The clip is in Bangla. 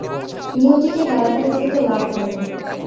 নিয়তিকে গালাগাল দিয়ে তো লাভ নাই।